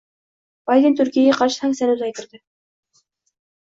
Bayden Turkiyaga qarshi sanksiyani uzaytirdi